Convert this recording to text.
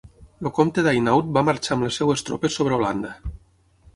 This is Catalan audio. El comte d'Hainaut va marxar amb les seves tropes sobre Holanda.